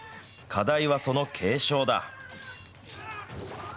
課題はその継承だ。